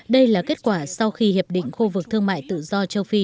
đây là kết quả sau khi hiệp định khu vực thương mại tự do châu phi